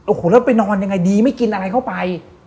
โอโหเพื่อนไปนอนยังไง